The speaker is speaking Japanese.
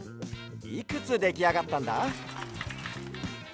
いくつできあがったんだ？